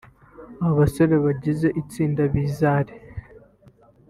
Aba basore bagize itsinda Bizarre